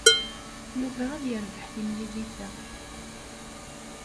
Yuba ad yerbeḥ timlilit-a.